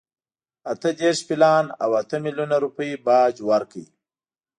اته دېرش پیلان او اته میلیونه روپۍ باج ورکړ.